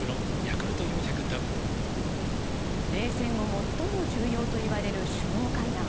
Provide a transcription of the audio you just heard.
最も重要といわれる首脳会談。